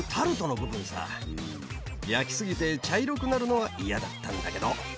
焼き過ぎて茶色くなるのが嫌だったんだけど。